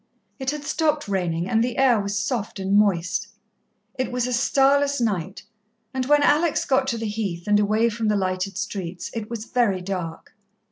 It had stopped raining, and the air was soft and moist. It was a starless night, and when Alex got to the Heath and away from the lighted streets, it was very dark.